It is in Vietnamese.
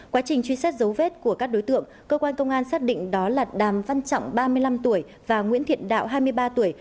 quá trình truy xét dấu vết của các đối tượng cơ quan công an xác định đó là đàm văn trọng ba mươi năm tuổi và nguyễn thiện đạo hai mươi ba tuổi